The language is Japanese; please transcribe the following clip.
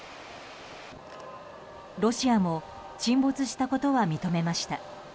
ロシアも沈没したことは認めました。